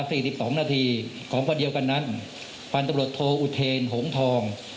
สิบสองนาทีของวันเดียวกันนั้นพันธบรวจโทอุเทนหงทอง